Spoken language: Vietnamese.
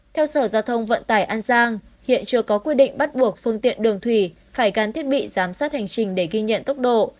theo sở giao thông vận tải an giang hiện chưa có quy định bắt buộc phương tiện đường thủy phải gắn thiết bị giám sát hành trình để ghi nhận tốc độ